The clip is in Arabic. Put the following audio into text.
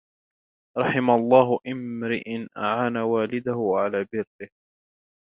رَحِمَ اللَّهُ امْرَأً أَعَانَ وَلَدَهُ عَلَى بِرِّهِ